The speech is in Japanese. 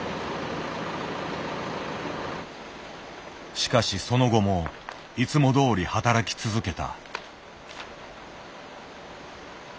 しかしその後もいつもどおり働き続けた。